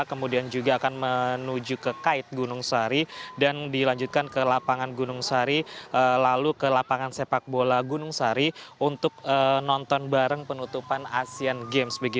kemudian juga akan menuju ke kait gunung sari dan dilanjutkan ke lapangan gunung sari lalu ke lapangan sepak bola gunung sari untuk nonton bareng penutupan asean games